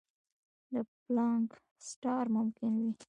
د پلانک سټار ممکن وي.